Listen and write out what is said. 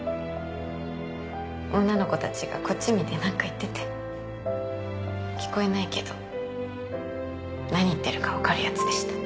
女の子たちがこっち見て何か言ってて聞こえないけど何言ってるか分かるやつでした。